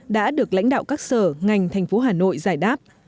đã được lãnh đạo các sở ngành thành phố hà nội giải đáp